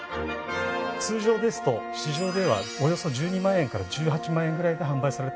通常ですと市場ではおよそ１２万円から１８万円ぐらいで販売されているお布団なんです。